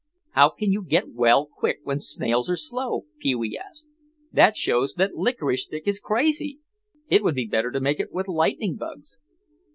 "How can you get well quick when snails are slow?" Pee wee asked. "That shows that Licorice Stick is crazy. It would be better to make it with lightning bugs."